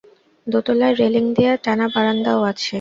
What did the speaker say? দোতলায় রেলিং দেয়া টানা বারান্দাও আছে।